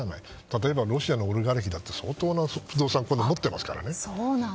例えばロシアのオリガルヒだって相当な不動産を持ってますからね。